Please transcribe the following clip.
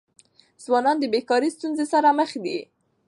ځوانان د بيکاری ستونزې سره مخ دي.